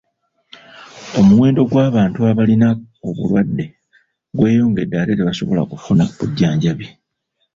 Omuwendo gw'abantu abalina obulwadde gweyongedde ate tebasobola kufuna bujjanjabi.